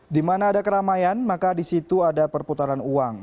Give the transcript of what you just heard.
di mana ada keramaian maka di situ ada perputaran uang